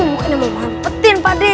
bukan yang mau mampetin pakde